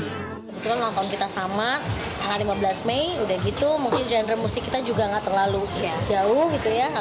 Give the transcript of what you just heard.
kebetulan nonton kita sama tanggal lima belas mei udah gitu mungkin genre musik kita juga gak terlalu jauh gitu ya